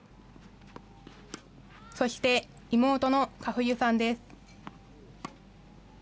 そして妹の佳冬さんです。